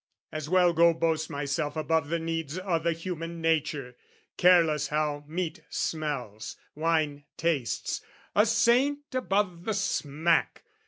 As well go boast myself above the needs O' the human nature, careless how meat smells, Wine tastes, a saint above the smack!